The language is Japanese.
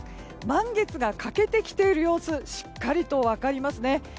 満月が欠けてきている様子しっかりと分かりますね。